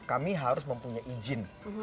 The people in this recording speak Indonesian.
kami harus mempunyai izin